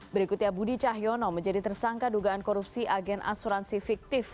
berikutnya budi cahyono menjadi tersangka dugaan korupsi agen asuransi fiktif